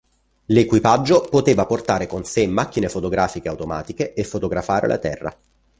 L'equipaggio poteva portare con sé macchine fotografiche automatiche e fotografare la Terra.